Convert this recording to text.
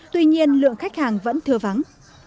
tuy nhiên lượng khách hàng vẫn thừa vắng